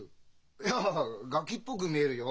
いやガキっぽく見えるよ。